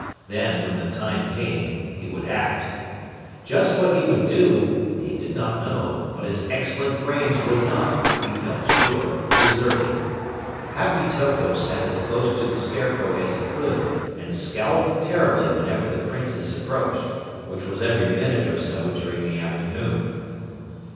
Then, when the time came, he would act. Just what he would do he did not know, but his excellent brains would not, he felt sure, desert him. Happy Toko sat as close to the Scarecrow as he could and scowled terribly whenever the Princes approached, which was every minute or so during the afternoon.